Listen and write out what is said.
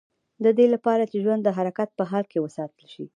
د دې لپاره چې ژوند د حرکت په حال کې وساتل شي.